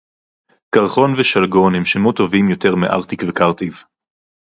קרחון ושלגון הם שמות טובים יותר מארטיק וקרטיב